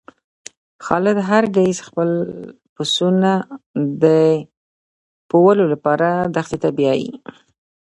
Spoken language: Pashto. خالد هر ګیځ خپل پسونه د پوولو لپاره دښتی ته بیایی.